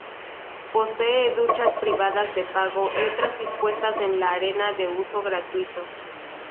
Posee duchas privadas de pago y otras dispuestas en la arena de uso gratuito.